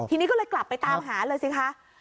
ทีนี้ก็เลยกลับไปตามหาเลยสิคะ